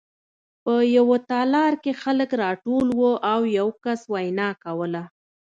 په یوه تالار کې خلک راټول وو او یو کس وینا کوله